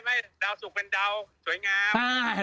ดาวสุกเป็นดาวสวยงาม